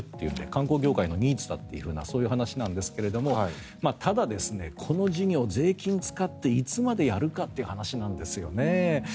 観光業界のニーズだとそういう話なんですけどただ、この事業を税金使っていつまでやるかという話なんですよね。